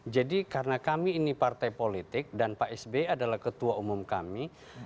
jadi karena kami ini partai politik dan pak sby adalah ketua umum kami